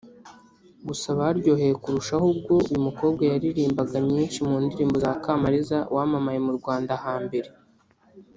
gusa baryohewe kurushaho ubwo uyu mukobwa yaririmbaga nyinshi mu ndirimbo za Kamariza wamamaye mu Rwanda hambere